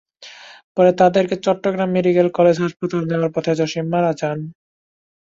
পরে তাঁদেরকে Chittagong medical college হাসপাতালে নেওয়ার পথে জসিম মারা যান।